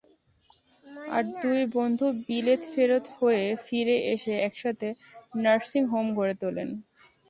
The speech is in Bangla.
আর দুই বন্ধু বিলেত ফেরত হয়ে ফিরে এসে একসাথে নার্সিং হোম গড়ে তোলেন।